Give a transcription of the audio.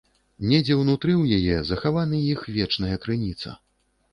Недзе ўнутры ў яе захавана іх вечная крыніца.